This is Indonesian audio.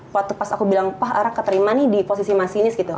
jadi pas aku bilang pak arak keterima nih di posisi masinis gitu